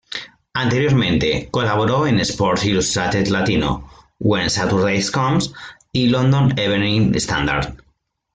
Anteriormente, colaboró en Sports Illustrated Latino, When Saturday Comes y London Evening Standard.